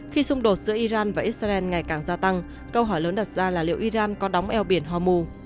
khi xung đột giữa iran và israel ngày càng gia tăng câu hỏi lớn đặt ra là liệu iran có đóng eo biển hormu